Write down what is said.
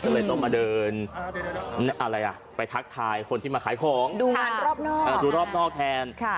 ก็เลยต้องมาเดินไปทักทายคนที่มาขายของดูงานดูรอบนอกแทน